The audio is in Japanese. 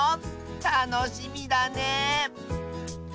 たのしみだね！